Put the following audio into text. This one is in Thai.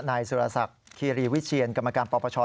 นายสุรศักดิ์คีรีวิเชียนกรรมการปปช